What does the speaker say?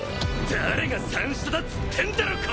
誰が三下だっつってんだろこのタコ！